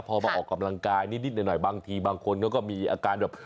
พอมาออกกำลังกายนิดหน่อยบางทีบางคนเขาก็มีอาการแบบ